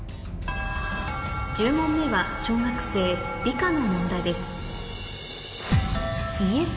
１０問目は小学生理科の問題です